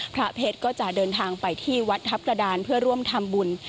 พระเพชรก็จะเดินทางไปที่วัดทัพกระดานเพื่อร่วมทำบุญ